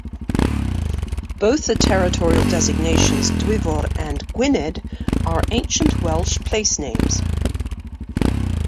Both the territorial designations Dwyfor and Gwynedd are ancient Welsh placenames.